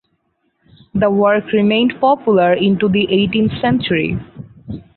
The work remained popular into the eighteenth century.